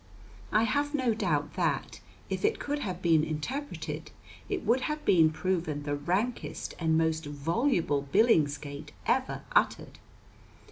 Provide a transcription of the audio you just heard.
I have no doubt that, if it could have been interpreted, it would have been proven the rankest and most voluble billingsgate ever uttered.